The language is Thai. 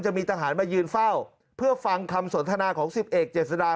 จะมีทหารมายืนเฝ้าเพื่อฟังคำสนทนาของสิบเอกเจษฎา